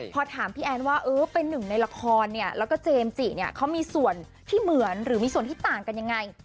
พอถามพี่แอนว่าเออเป็นหนึ่งในละครเนี่ยแล้วก็เจมส์จิเนี่ยเขามีส่วนที่เหมือนหรือมีส่วนที่ต่างกันยังไง